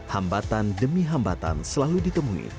hambatan demi hambatan selalu ditemui